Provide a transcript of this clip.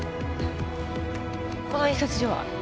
この印刷所は？